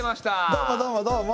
どうもどうもどうも。